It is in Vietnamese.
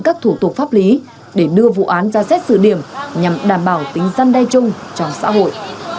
các thủ tục pháp lý để đưa vụ án ra xét xử điểm nhằm đảm bảo tính dân đe chung trong xã hội